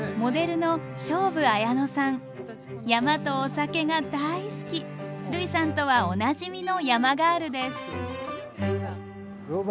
山とお酒が大好き類さんとはおなじみの山ガールです。